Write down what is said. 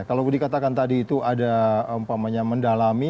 kalau dikatakan tadi itu ada mendalami